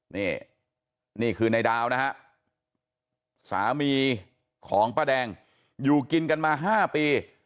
นี่นี่คือในดาวนะฮะสามีของป้าแดงอยู่กินกันมา๕ปี